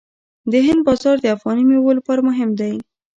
د هند بازار د افغاني میوو لپاره مهم دی.